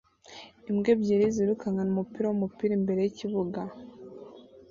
Imbwa ebyiri zirukankana umupira wumupira imbere yikibuga